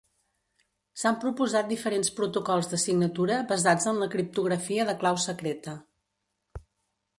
S'han proposat diferents protocols de signatura basats en la criptografia de clau secreta.